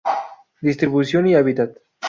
Distribución y hábitat.